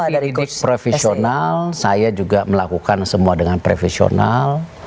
saya dari profesional saya juga melakukan semua dengan profesional